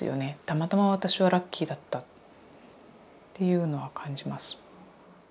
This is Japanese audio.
たまたま私はラッキーだったっていうのは感じます。